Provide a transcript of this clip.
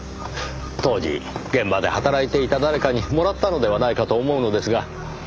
当時現場で働いていた誰かにもらったのではないかと思うのですが。